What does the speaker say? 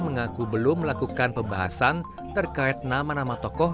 mengaku belum melakukan pembahasan terkait nama nama tokoh